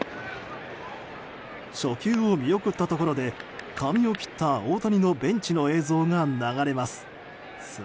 初球を見送ったところで髪を切った大谷のベンチの映像が流れます。